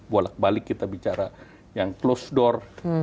bolak balik kita bicara yang close door